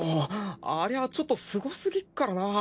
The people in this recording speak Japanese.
ありゃあちょっとすごすぎっからなぁ。